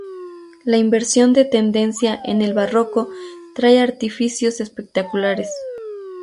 La inversión de tendencia en el Barroco trae artificios espectaculares.